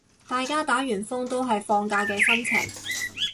大家打完風都係放假嘅心情